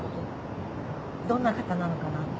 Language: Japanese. どんな方なのかな。